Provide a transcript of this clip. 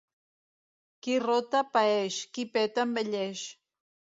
Qui rota, paeix; qui peta, envelleix.